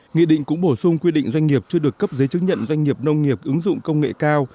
nghị định cũng bổ sung quy định doanh nghiệp chưa được cấp giấy chứng nhận doanh nghiệp nông nghiệp ứng dụng công nghệ cao